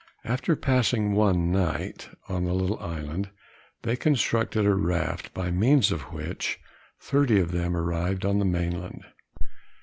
After passing one night on the little island, they constructed a raft, by means of which, thirty of them arrived on the main land.